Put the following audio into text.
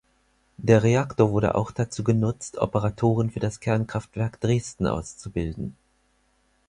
Der Reaktor wurde auch dazu genutzt, Operatoren für das Kernkraftwerk Dresden auszubilden.